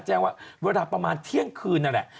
แจ้งว่าเวลาประมาณเที่ยงคืนนั่นแหละ